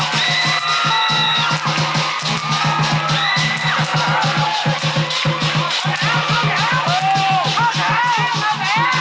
เดี๋ยวผมเนี่ยปรินขึ้นไปบนเหร่งจูเอง